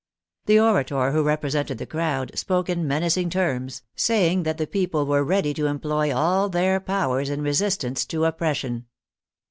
The orator who represented the crowd spoke in menacing terms, saying that the people were ready to employ all their powers in resistance to oppression.